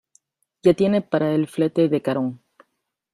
¡ ya tiene para el flete de Carón!...